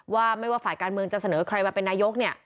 ว่าไม่ว่าฝ่ายการเมืองจะเสนอใครมาเป็นนายกเนี่ย